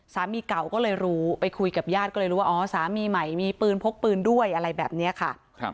สามีเก่าก็เลยรู้ไปคุยกับญาติก็เลยรู้ว่าอ๋อสามีใหม่มีปืนพกปืนด้วยอะไรแบบนี้ค่ะ